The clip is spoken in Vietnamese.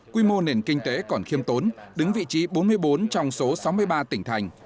quy mô nền kinh tế còn khiêm tốn đứng vị trí bốn mươi bốn trong số sáu mươi ba tỉnh thành